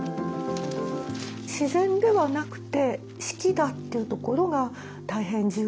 自然ではなくて四季だっていうところが大変重要です。